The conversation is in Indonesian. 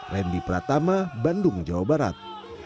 randy pratama bandung jawa barat